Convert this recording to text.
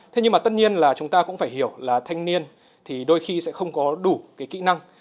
thế nhưng mà tất nhiên là chúng ta cũng phải hiểu là thanh niên thì đôi khi sẽ không có đủ cái kỹ năng